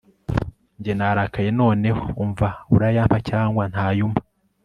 Njye narakaye noneho umva urayampa cyangwa ntayumpa